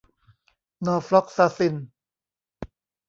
นอร์ฟล็อกซาซิน